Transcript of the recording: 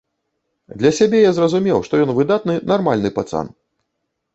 Для сябе я зразумеў, што ён выдатны нармальны пацан.